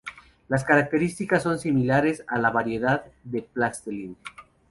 Las características son similares a las de la variedad Palestine.